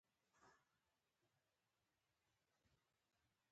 قاطع جواب ونه رسېدی.